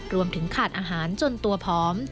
รวมถึงขาดอาหารจนตัวผอม